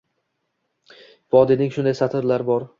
– Vodiliyning shunday satrlari bor: